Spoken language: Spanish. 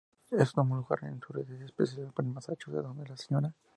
Esto tomó lugar en una residencia especializada en Massachusetts donde la Sra.